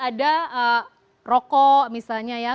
ada rokok misalnya ya